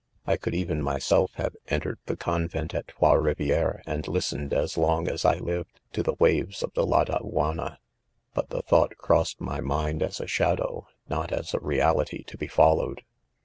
I could .even myself have' entered the oonvent at 3>o^ Rivieres, and listened as long as I livedo to the waves of the Ladauanna.— But the thought crossed my mind as a shad ■«w, not as .a reality to be followed.